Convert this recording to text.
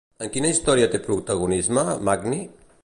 En quina història té protagonisme, Magni?